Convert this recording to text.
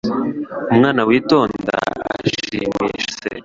Umwana witonda ashimisha se